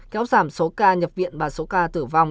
kéo giảm số ca nhập viện và số ca tử vong